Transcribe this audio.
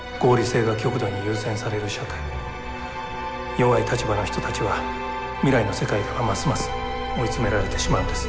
弱い立場の人たちは未来の世界ではますます追い詰められてしまうんです。